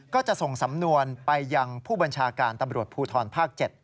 ก็จะส่งสำนวนไปยังผู้บัญชาการตำรวจภูทรภาค๗